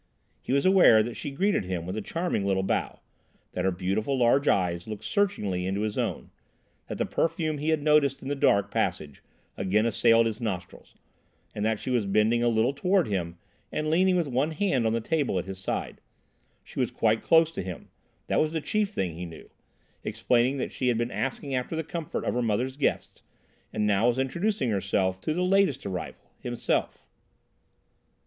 He was aware that she greeted him with a charming little bow; that her beautiful large eyes looked searchingly into his own; that the perfume he had noticed in the dark passage again assailed his nostrils, and that she was bending a little towards him and leaning with one hand on the table at this side. She was quite close to him—that was the chief thing he knew—explaining that she had been asking after the comfort of her mother's guests, and now was introducing herself to the latest arrival—himself.